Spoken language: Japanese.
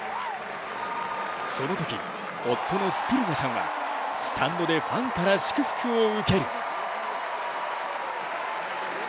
そのとき、夫のスピルニャさんはスタンドでファンから祝福を受ける。